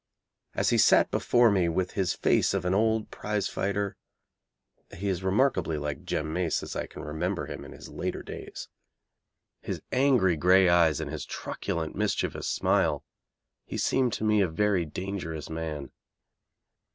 As he sat before me with his face of an old prizefighter (he is remarkably like Jim Mace as I can remember him in his later days), his angry grey eyes and his truculent, mischievous smile, he seemed to me a very dangerous man.